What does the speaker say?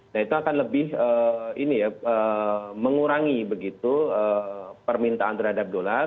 nah itu akan lebih ini ya mengurangi begitu permintaan terhadap dolar